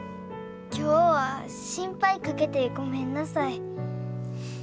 今日は心配かけてごめんなさい。